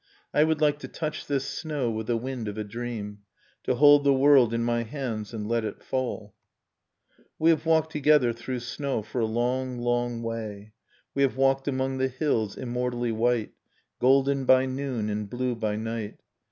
I would like to touch this snow with the wind of a dream; To hold the world in my hands and let it fall. Nocturne of Remembered Spring ; i We have walked together through snow for a long ; long way, : We have walked among the hills immortally white, j Golden by noon and blue by night.